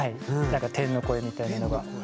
なんか天の声みたいなのが。